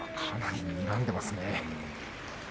かなりにらんでいますね。